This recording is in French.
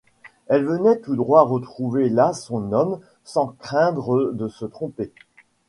Elle venait tout droit retrouver là son homme, sans craindre de se tromper.